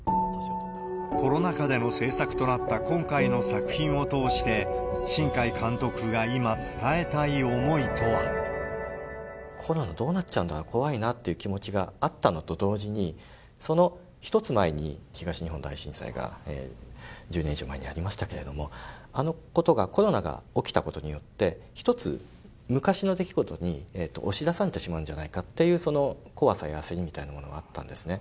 コロナ禍での制作となった今回の作品を通して、新海監督が今、伝えたい思いとは。コロナどうなっちゃうんだって、怖いなっていう気持ちがあったのと同時に、その一つ前に東日本大震災が、１０年以上前にありましたけれども、あのことが、コロナが起きたことによって、一つ昔の出来事に押し出されてしまうんじゃないかっていう、その怖さや焦りみたいなものがあったんですね。